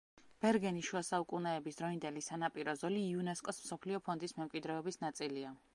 ბერგენის შუასაუკუნეების დროინდელი სანაპირო ზოლი იუნესკოს მსოფლიო ფონდის მემკვიდრეობის ნაწილია.